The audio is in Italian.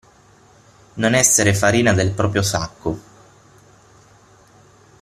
Non esser farina del proprio sacco.